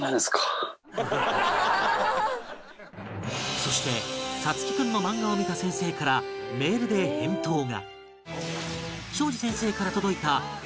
そして颯喜君の漫画を見た先生からメールで返答が